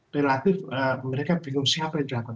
relatif mereka bingung siapa yang di dalam